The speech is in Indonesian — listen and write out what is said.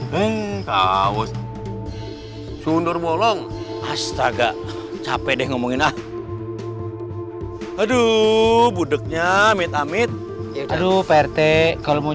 heng awas sundur bolong astaga capek ngomongin ah aduh butuhnya mit amit adu pertek kalau mau